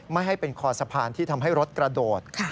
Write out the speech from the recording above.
ไม่ให้เป็นคอสะพานที่ทำให้รถกระโดด